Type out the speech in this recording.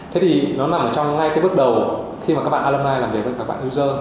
thế thì nó nằm ở trong ngay cái bước đầu khi mà các bạn alami làm việc với các bạn user